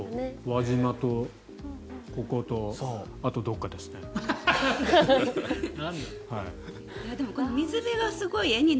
輪島とこことあとどこかですね。